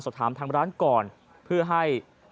จำนวนนักท่องเที่ยวที่เดินทางมาพักผ่อนเพิ่มขึ้นในปีนี้